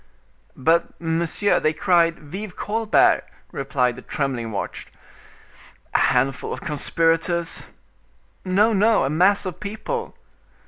"But, monsieur, they cried 'Vive Colbert!'" replied the trembling watch. "A handful of conspirators—" "No, no; a mass of people."